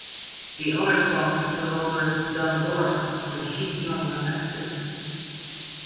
The elder Fung took over "Dumb Dora" when Chic Young left that strip.